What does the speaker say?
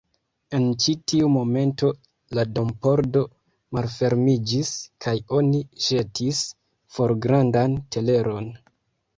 En ĉi tiu momento la dompordo malfermiĝis, kaj oni ĵetis for grandan teleron.